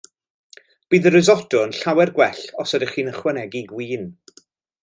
Bydd y risotto yn llawer gwell os ydych chi'n ychwanegu gwin.